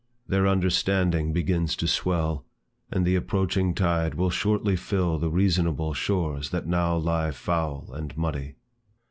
Their understanding Begins to swell: and the approaching tide Will shortly fill the reasonable shores That now lie foul and muddy.